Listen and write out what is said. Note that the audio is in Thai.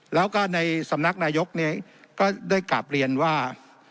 แล้วก็ในสำนักนายกก็ได้กลับเรียนว่า